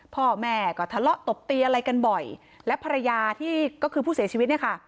พ่อแม่ก็ทะเลาะตบตีอะไรกันบ่อยและภรรยาที่ก็คือผู้เสียชีวิตเนี่ยค่ะ